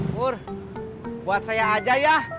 umur buat saya aja ya